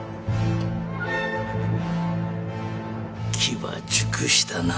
機は熟したな。